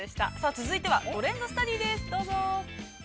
続いては、トレンドスタディです、どうぞ。